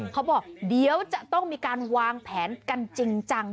เขาบอกเดี๋ยวจะต้องมีการวางแผนกันจริงจัง